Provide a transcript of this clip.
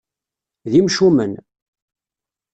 D imcumen.